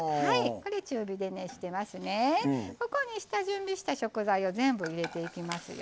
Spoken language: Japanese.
これに下準備した食材を全部入れていきますよ。